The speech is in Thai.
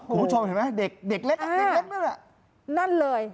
คุณผู้ชมเห็นไหมเด็กเล็กเด็กเล็กนั่นน่ะนั่นเลย